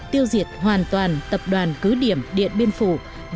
tiêu diệt hoàn toàn tập đoàn cứ điểm điện biên phủ